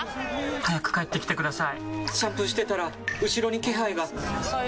早く帰ってきてください！